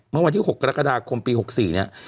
เมื่อวันที่๖กรกฎาคมปี๖๔เนี่ย